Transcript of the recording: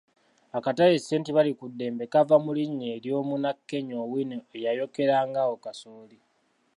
Akatale St. Balikuddembe kaava mu linnya eryo'munna Kenya Owino eyayokera ngawo kasooli.